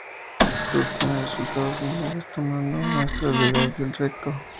Se obtienen resultados similares tomando muestras de gas del recto.